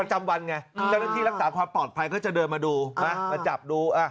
ประจำวันไงเจ้าหน้าที่รักษาความปลอดภัยก็จะเดินมาดูมาจับดู